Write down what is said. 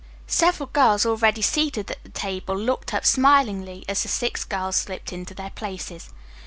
Several girls already seated at the table looked up smilingly as the six girls slipped into their places.